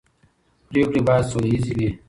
پرېکړې باید سوله ییزې وي